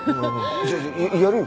じゃあやるよ。